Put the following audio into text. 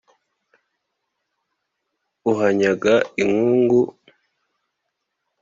uhanyaga inkungu.